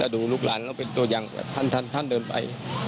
ดูลูกหลานแล้วเป็นตัวอย่างท่านเดินไป